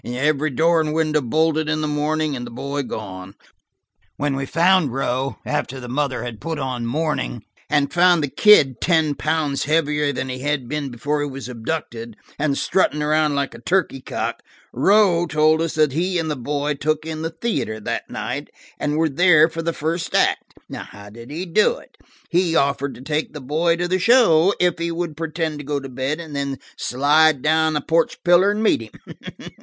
Every door and window bolted in the morning, and the boy gone. When we found Rowe–after the mother had put on mourning–and found the kid, ten pounds heavier than he had been before he was abducted, and strutting around like a turkey cock, Rowe told us that he and the boy took in the theater that night, and were there for the first act. How did he do it? He offered to take the boy to the show if he would pretend to go to bed, and then slide down a porch pillar and meet him.